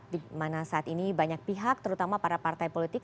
di mana saat ini banyak pihak terutama para partai politik